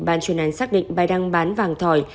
bàn chuyên án xác định bài đăng bán vàng thỏi